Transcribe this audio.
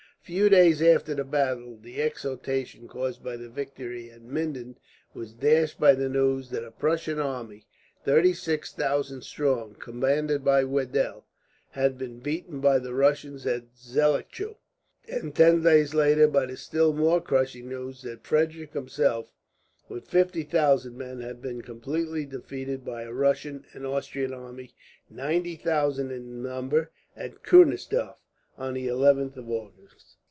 A few days after the battle, the exultation caused by the victory at Minden was dashed by the news that a Prussian army, twenty six thousand strong, commanded by Wedel, had been beaten by the Russians at Zuellichau; and ten days later by the still more crushing news that Frederick himself, with fifty thousand men, had been completely defeated by a Russian and Austrian army, ninety thousand in number, at Kunersdorf, on the 11th of August.